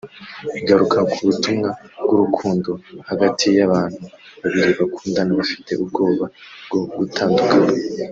igaruka ku butumwa bw’urukundo hagati y’abantu babiri bakundana bafite ubwoba bwo gutandukana